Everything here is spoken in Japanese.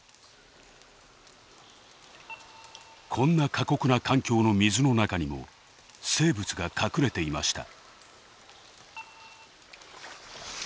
こんな過酷な環境の水の中にも生物が隠れていました。